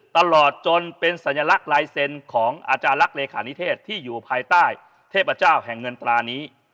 ตลอดจนเป็นสัญลักษณ์ลายเซ็นต์ของอาจารย์ลักษ์เลขานิเทศที่อยู่ภายใต้เทพเจ้าแห่งเงินตรานี้